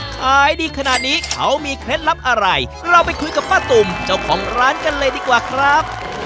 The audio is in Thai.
ขายดีขนาดนี้เขามีเคล็ดลับอะไรเราไปคุยกับป้าตุ่มเจ้าของร้านกันเลยดีกว่าครับ